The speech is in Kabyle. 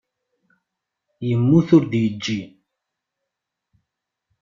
Yemmut ur d-yeǧǧi.